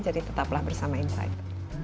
jadi tetaplah bersama insight